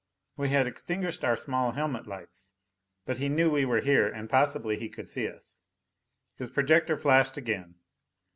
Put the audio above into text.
We had extinguished our small helmet lights. But he knew we were here and possibly he could see us. His projector flashed again.